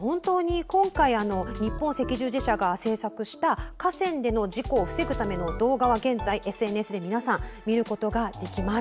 日本赤十字社が制作した川で溺れたときの対処法の動画は現在、ＳＮＳで皆さん見ることができます。